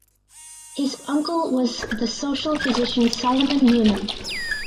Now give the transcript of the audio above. His uncle was the social physician Salomon Neumann.